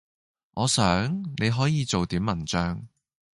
“我想，你可以做點文章……”